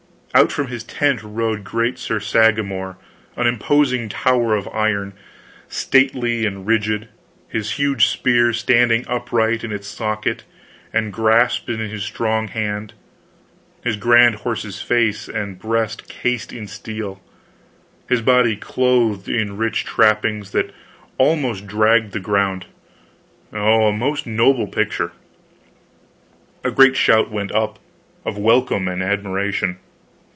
Out from his tent rode great Sir Sagramor, an imposing tower of iron, stately and rigid, his huge spear standing upright in its socket and grasped in his strong hand, his grand horse's face and breast cased in steel, his body clothed in rich trappings that almost dragged the ground oh, a most noble picture. A great shout went up, of welcome and admiration.